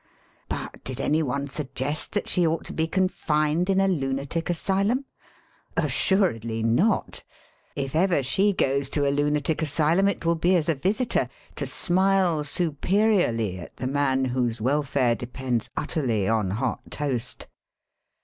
But, did any one suggest that she ought to be confined in a lunatic asylum? Assuredly not. If ever she goes to a lunatic asylum it will be as a visitor, to smile superiorly at the man whose wel fare depends utterly on hot toast.